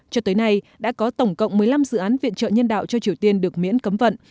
cho tới nay đã có tổng cộng một mươi năm dự án viện trợ nhân đạo cho triều tiên được miễn cấm vận